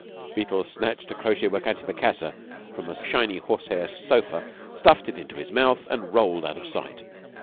Beetle snatched a crochet work antimacassar from the shiny horsehair sofa, stuffed it into his mouth, and rolled out of sight.